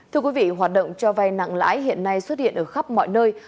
thưa quý vị hoạt động cho vay nặng lãi hiện nay xuất hiện ở khắp mọi nơi